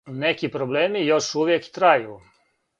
Неки проблеми још увијек трају.